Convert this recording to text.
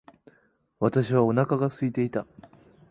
私はお腹が空いていた。